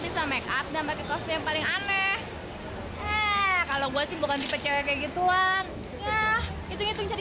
sampai jumpa di video selanjutnya